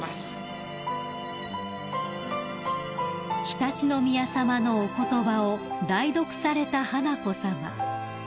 ［常陸宮さまのお言葉を代読された華子さま］